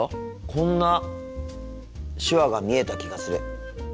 こんな手話が見えた気がする。